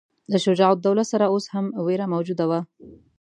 له شجاع الدوله سره اوس هم وېره موجوده وه.